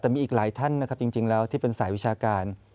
แต่มีอีกหลายท่านนะครับจริงแล้วที่เป็นสายวิชาการ